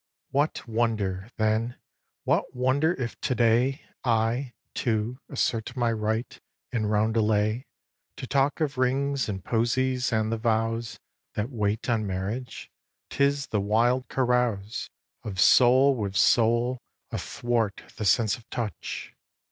xviii. What wonder, then, what wonder if to day I, too, assert my right, in roundelay, To talk of rings and posies and the vows That wait on marriage? 'Tis the wild carouse Of soul with soul athwart the sense of touch.